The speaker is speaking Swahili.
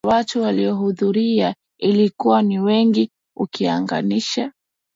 dadi ya watu waliohudhuria ilikuwa ni wengi ukilinganisha